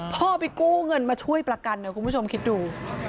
พ่อไปกู้เงินมาช่วยประกันนะคุณผู้ชมคิดดู